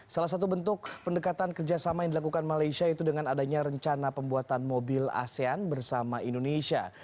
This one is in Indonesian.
salah satu bentuk pendekatan kerjasama yang dilakukan malaysia itu dengan adanya rencana pembuatan mobil asean bersama indonesia